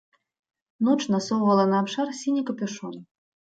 Ноч насоўвала на абшар сіні капюшон.